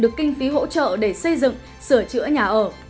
được kinh phí hỗ trợ để xây dựng sửa chữa nhà ở